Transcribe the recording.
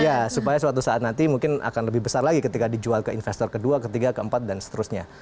ya supaya suatu saat nanti mungkin akan lebih besar lagi ketika dijual ke investor ke dua ke tiga ke empat dan seterusnya